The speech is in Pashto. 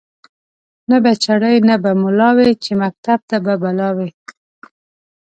نه چړي نه به مُلا وی چي مکتب ته به بلا وي